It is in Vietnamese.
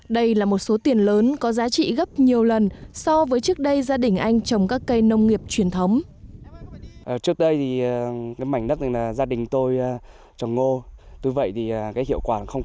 đây là một số tiền lớn có giá trị gấp nhiều lần so với trước đây gia đình anh trồng các cây nông nghiệp truyền thống